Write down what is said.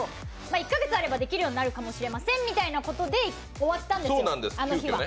１か月あればできるようになるかもしれませんってことで終わったんですよ、あの日は。